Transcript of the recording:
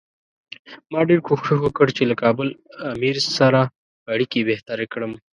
ما ډېر کوښښ وکړ چې له کابل امیر سره اړیکې بهترې کړم.